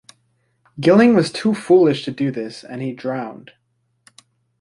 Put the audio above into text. Gilling was too foolish to do this and he drowned.